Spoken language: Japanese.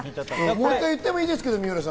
もう１回、言ってもいいですよ。